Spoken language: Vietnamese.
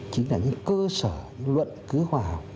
chính là những cơ sở những luận cứu hòa